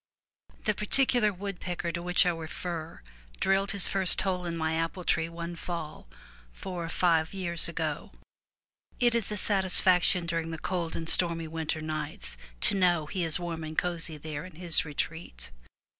The particular woodpecker to which I refer drilled his first hole in my apple tree one fall four or five years ago. It is a satis faction during the cold and stormy winter nights to know he is warm and cosy there in his retreat.